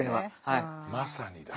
まさにだ。